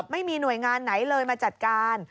ไม่มีหน่วยงานไหนเลยมาจัดการ